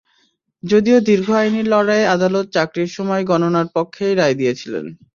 যদিও দীর্ঘ আইনি লড়াইয়ে আদালত চাকরির সময় গণনার পক্ষেই রায় দিয়েছিলেন।